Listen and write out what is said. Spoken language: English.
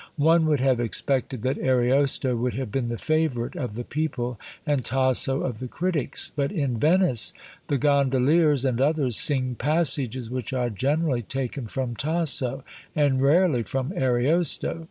One would have expected that Ariosto would have been the favourite of the people, and Tasso of the critics. But in Venice the gondoliers, and others, sing passages which are generally taken from Tasso, and rarely from Ariosto.